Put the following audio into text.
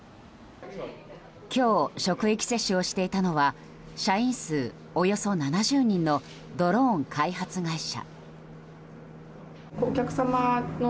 今日、職域接種をしていたのは社員数およそ７０人のドローン開発会社。